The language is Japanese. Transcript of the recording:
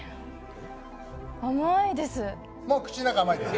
甘いです。